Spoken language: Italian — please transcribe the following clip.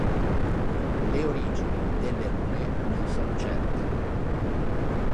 Le origini delle rune non sono certe.